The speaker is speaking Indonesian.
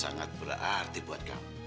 sangat berarti buat kamu